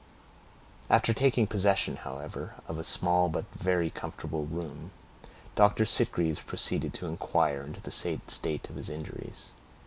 After taking possession, however, of a small but very comfortable room, Doctor Sitgreaves proceeded to inquire into the state of his injuries.